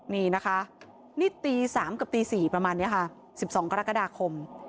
นี่นะคะนี่ตี๓กับตี๔ประมาณนี้ค่ะ๑๒กรกฎาคม